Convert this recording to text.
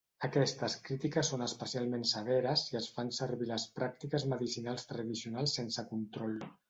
Aquestes crítiques són especialment severes si es fan servir les pràctiques medicinals tradicionals sense control.